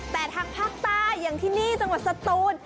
แต่ทางภาคใต้อย่างที่นี่จังหวัดสตูน